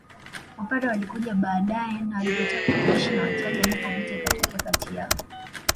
Wapare walikuja baade na walipotaka kuishi na wachaga ndipo vita ikatokea kati yao